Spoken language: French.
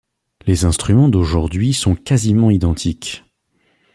Les instruments d'aujourd'hui sont quasiment identiques.